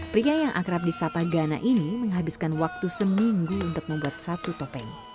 pria yang akrab di sapa gana ini menghabiskan waktu seminggu untuk membuat satu topeng